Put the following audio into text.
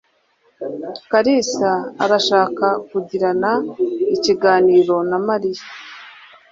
Kalisa arashaka kugirana ikiganiro na Mariya.